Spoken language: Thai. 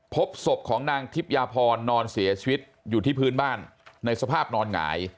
พบศพของนางทิพยาพรนอนเสียชีวิตอยู่ที่พื้นบ้านในสภาพนอนหงาย